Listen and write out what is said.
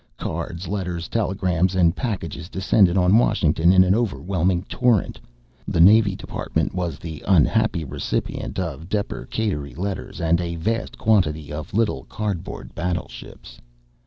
Cards, letters, telegrams and packages descended on Washington in an overwhelming torrent. The Navy Department was the unhappy recipient of deprecatory letters and a vast quantity of little cardboard battleships.